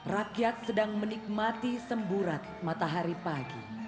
rakyat sedang menikmati semburat matahari pagi